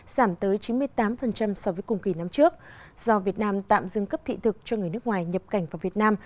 giảm tới chín mươi tám so với cùng kỳ năm trước do việt nam tạm dừng cấp thị thực cho người nước ngoài nhập cảnh vào việt nam